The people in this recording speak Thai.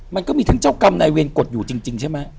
มันก็มีทั้งเจ้ากรรมนายเวรกฎอยู่จริงใช่ไหม